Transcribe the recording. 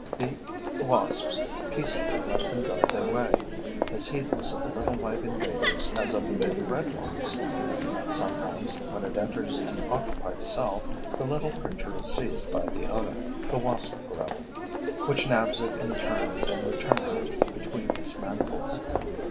The wasps peaceably let them go their way, as heedless of the little white invaders as of the big red ones. Sometimes, when it enters an occupied cell, the little creature is seized by the owner, the wasp grub, which nabs it and turns and returns it between its mandibles.